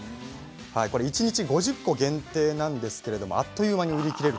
一日５０個限定なんですけれどもあっという間に売り切れる。